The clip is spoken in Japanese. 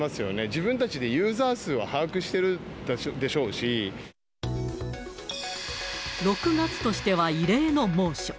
自分たちでユーザー数を把握して６月としては異例の猛暑。